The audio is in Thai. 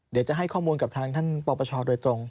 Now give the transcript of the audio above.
เดี๋ยวจะให้ข้อมูลกับทางท่านปปชโดยตรง